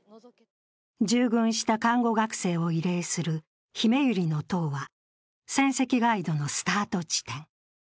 従軍した看護学生を慰霊するひめゆりの塔は、戦跡ガイドのスタート地点。